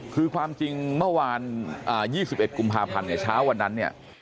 คือความจริงเมื่อวาน๒๑กุมภาพันธ์เนี่ยเช้าวันนั้นเนี่ย